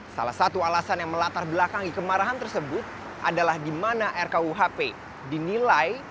salah satu alasan yang melatar belakangi kemarahan tersebut adalah di mana rkuhp dinilai